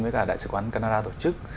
với cả đại sứ quán canada tổ chức